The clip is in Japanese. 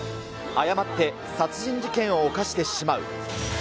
誤って殺人事件を犯してしまう。